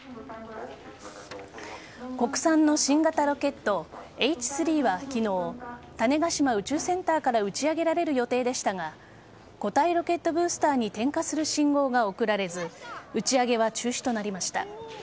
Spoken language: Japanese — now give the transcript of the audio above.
国産の新型ロケット・Ｈ３は昨日種子島宇宙センターから打ち上げられる予定でしたが固体ロケットブースターに点火する信号が送られず打ち上げは中止となりました。